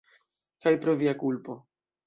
Kaj pro via kulpo.